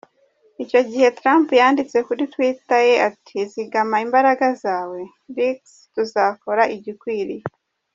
Icyo gihe Trump yanditse kuri Twitter ati "Zigama imbaraga zawe Rex, tuzakora igikwiye!".